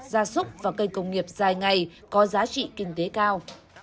gia súc và cây công nghiệp dài ngày có giá trị kinh tế cao